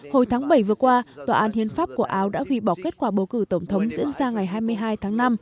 hồi tháng bảy vừa qua tòa án hiến pháp của áo đã hủy bỏ kết quả bầu cử tổng thống diễn ra ngày hai mươi hai tháng năm